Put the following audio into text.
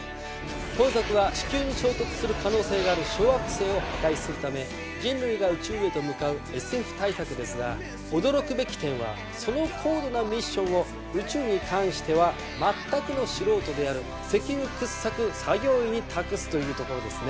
本作は地球に衝突する可能性がある小惑星を破壊するため人類が宇宙へと向かうＳＦ大作ですが驚くべき点はその高度なミッションを宇宙に関しては全くの素人である石油掘削作業員に託すというところですね。